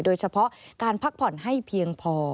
โดยเฉพาะการพักผ่อนให้เพียงพอ